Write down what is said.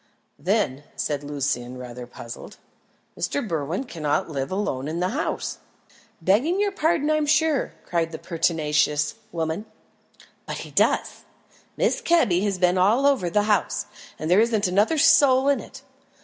"Then," said Lucian, rather puzzled, "Mr. Berwin cannot live alone in the house." "Begging your pardon, I'm sure," cried the pertinacious woman, "but he does. Mrs. Kebby has been all over the house, and there isn't another soul in it.